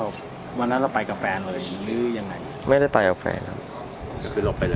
บ๊วยวันนั้นเราไปกับแฟนเลยหรือยังไง